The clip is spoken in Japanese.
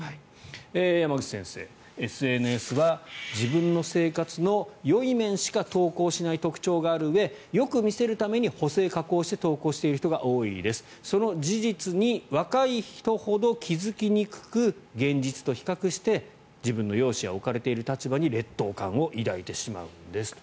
山口先生ＳＮＳは自分の生活のよい面しか投稿しない特徴があるうえよく見せるために補正・加工して投稿している人が多いですその事実に若い人ほど気付きにくく、現実と比較して自分の容姿や置かれている立場に劣等感を抱いてしまうんですと。